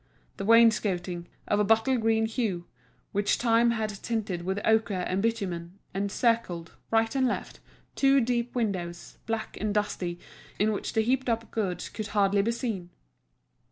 The wainscoting, of a bottle green hue, which time had tinted with ochre and bitumen, encircled, right and left, two deep windows, black and dusty, in which the heaped up goods could hardly be seen.